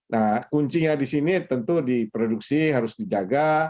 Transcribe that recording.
nah kuncinya di sini tentu diproduksi harus dijaga